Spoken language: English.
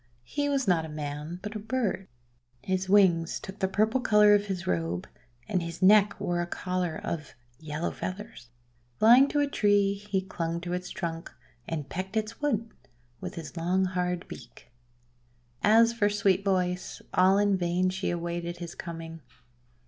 He was not a man, but a bird. His wings took the purple colour of his robe, and his neck wore a collar of yellow feathers. Flying to a tree, he clung to its trunk, and pecked its wood with his long hard beak. As for Sweet Voice, all in vain she awaited his coming.